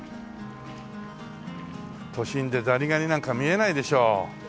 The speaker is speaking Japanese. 都心でザリガニなんか見れないでしょ。